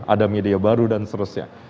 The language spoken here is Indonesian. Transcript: ada media baru dan seterusnya